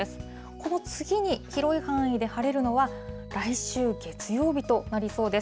この次に広い範囲で晴れるのは、来週月曜日となりそうです。